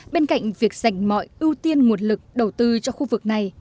bên cạnh việc dành mọi ưu tiên nguồn lực đầu tư cho khu vực này